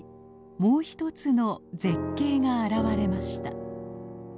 もう一つの絶景が現れました。